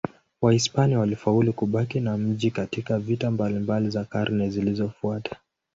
Wahispania walifaulu kubaki na mji katika vita mbalimbali za karne zilizofuata.